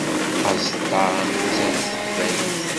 Aẓeṭṭa amettan s teqbaylit.